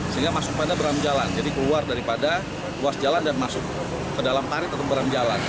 sehingga masuk pada beram jalan jadi keluar daripada ruas jalan dan masuk ke dalam parit atau beram jalan